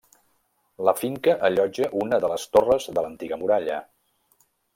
La finca allotja una de les torres de l'antiga muralla.